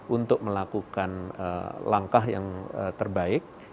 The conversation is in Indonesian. untuk melakukan langkah yang terbaik